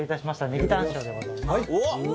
ねぎタン塩でございます。